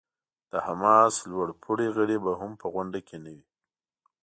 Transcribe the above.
د حماس لوړ پوړي غړي به هم په غونډه کې نه وي.